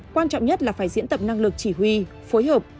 quan trọng nhất là phải diễn tập năng lực chỉ huy phối hợp